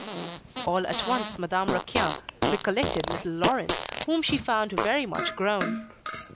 All at once Madame Raquin recollected little Laurent, whom she found very much grown.